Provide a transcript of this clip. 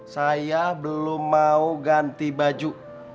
saya belum mau ganti baju